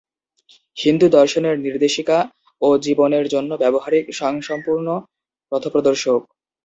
হিন্দু দর্শনের নির্দেশিকা ও জীবনের জন্য ব্যবহারিক, স্বয়ংসম্পূর্ণ পথপ্রদর্শক।